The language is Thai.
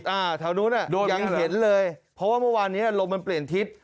อ่าแถวนู้นอ่ะดูยังเห็นเลยเพราะว่าเมื่อวานเนี้ยลมมันเปลี่ยนทิศ